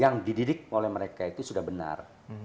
yang dididik oleh mereka itu sudah benar